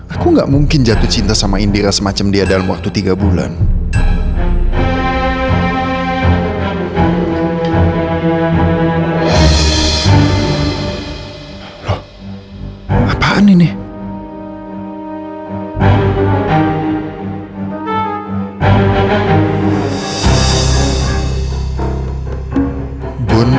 aku gak mungkin jatuh cinta sama indira semacam dia dalam waktu tiga bulan